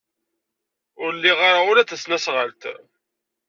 Ur liɣ ara ula d tasnasɣalt.